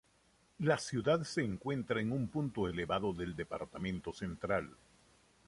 La ciudad se encuentra en un punto elevado del Departamento Central.